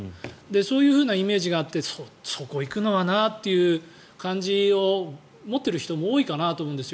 そういうふうなイメージがあってそこに行くのはなという感じを持ってる人も多いかなと思うんですよ